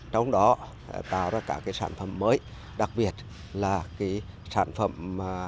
trong đó tạo ra các sản phẩm mới đặc biệt là sản phẩm